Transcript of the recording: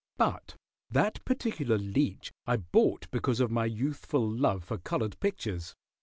But that particular Leech I bought because of my youthful love for colored pictures."